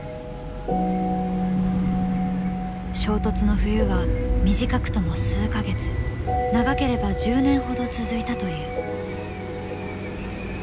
衝突の冬は短くとも数か月長ければ１０年ほど続いたという。